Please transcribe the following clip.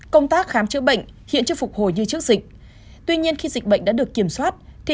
công tác khám chữa bệnh hiện chưa phục hồi như trước dịch